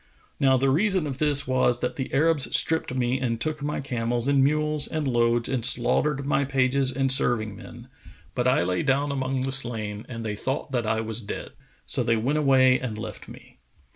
Now the reason of this was that the Arabs stripped me and took my camels and mules and loads and slaughtered my pages and serving men; but I lay down among the slain and they thought that I was dead, so they went away and left me.